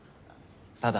ただ。